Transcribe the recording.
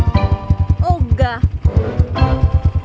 naik kan kan